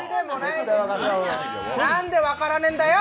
なんで分からねえんだよ！